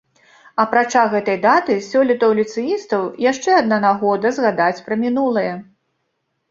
Апрача гэтай даты, сёлета ў ліцэістаў яшчэ адна нагода згадаць пра мінулае.